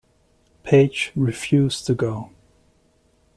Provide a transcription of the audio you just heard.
Page refused to go.